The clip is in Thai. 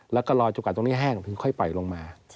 แล้วก็รอจุกันตรงนี้แห้งแล้วก็ค่อยปล่อยลงมา